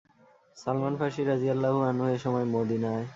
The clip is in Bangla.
সালমান ফার্সী রাযিয়াল্লাহু আনহু এ সময় মদীনায়।